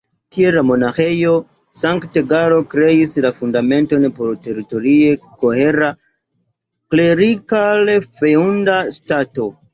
Tiel la Monaĥejo Sankt-Galo kreis la fundamenton por teritorie kohera klerikal-feŭda ŝtato.